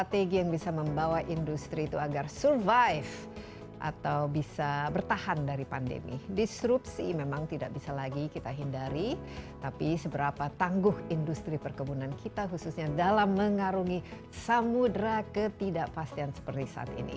tidak bisa lagi kita hindari tapi seberapa tangguh industri perkebunan kita khususnya dalam mengarungi samudera ketidakpastian seperti saat ini